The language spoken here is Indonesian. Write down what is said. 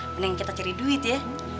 mending kita cari duit ya